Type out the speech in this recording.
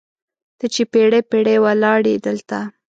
ته چې پیړۍ، پیړۍ ولاړیې دلته